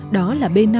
đó là b năm